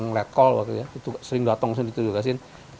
yang red call waktu ya sering datang sering dituduhkan